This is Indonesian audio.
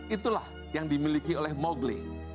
itulah yang dimiliki oleh mowgli